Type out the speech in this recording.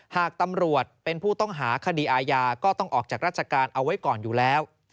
หากตำรวจเป็นผู้ต้องหาคดีอาญาก็ต้องออกจากราชการเอาไว้ก่อนอยู่แล้ว